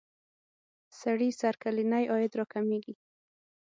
سړي سر کلنی عاید را کمیږی.